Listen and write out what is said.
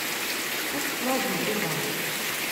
Ur teslaẓemt iḍan.